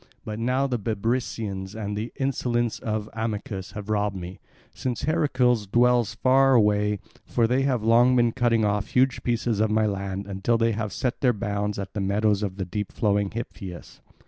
But now the Bebrycians and the insolence of Amycus have robbed me, since Heracles dwells far away, for they have long been cutting off huge pieces of my land until they have set their bounds at the meadows of deep flowing Hypius.